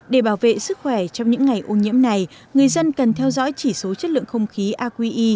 để bảo vệ sức khỏe trong những ngày ô nhiễm này người dân cần theo dõi chỉ số chất lượng không khí aqi